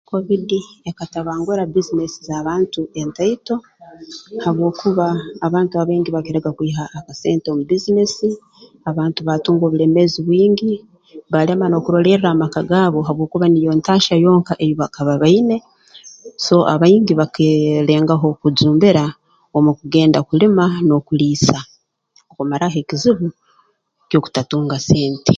Kovidi ekatabangura bbiizinesi za bantu entaito habwokuba abantu abaingi baakiraga kwiha akasente omu bbiizinesi abantu baatunga obulemeezi bwingi baalema n'okurolerra amaka gaabo habwokuba niyo ntaahya yonka ei bakaba baine so abaingi bakee lengaho kujumbira omu kugenda kulima n'okuliisa kumaraho ekizibu ky'okutatunga sente